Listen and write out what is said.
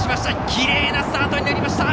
きれいなスタートになりました！